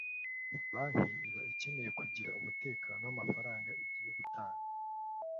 banki iba ikeneye kugira umutekano w’amafaranga igiye gutanga